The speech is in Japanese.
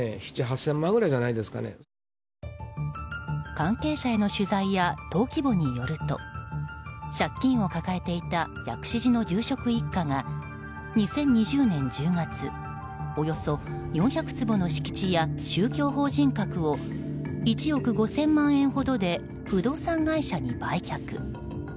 関係者への取材や登記簿によると借金を抱えていた薬師寺の住職一家が２０２０年１０月およそ４００坪の敷地や宗教法人格を１億５０００万円ほどで不動産会社に売却。